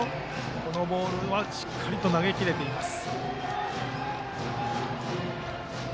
このボールはしっかり投げ切れています。